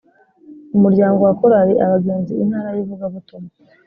umuryango wa korali abagenzi intara y ivugabutumwa